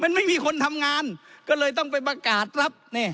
มันไม่มีคนทำงานก็เลยต้องไปประกาศรับ